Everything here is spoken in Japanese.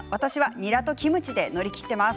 ニラとキムチで乗り切っています。